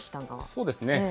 そうですね。